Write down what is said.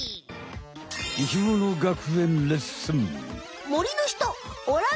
生きもの学園レッスン。